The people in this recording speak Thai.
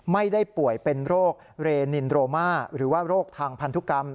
ไม่ได้ป่วยเป็นโรคเรนินโรมาหรือว่าโรคทางพันธุกรรม